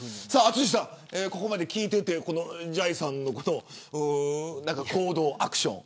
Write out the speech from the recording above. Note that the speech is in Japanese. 淳さん、ここまで聞いていてじゃいさんのこと行動、アクション。